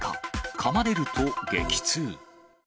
かまれると激痛。